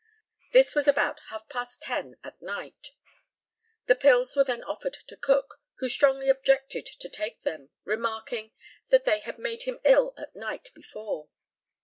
This was about half past ten at night. The pills were then offered to Cook, who strongly objected to take them, remarking that they had made him ill the night before.